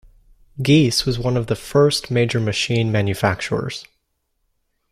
Giesse was one of the first major machine manufacturers.